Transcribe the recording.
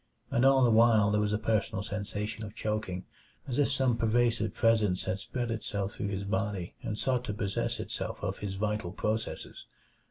And all the while there was a personal sensation of choking, as if some pervasive presence had spread itself through his body and sought to possess itself of his vital processes.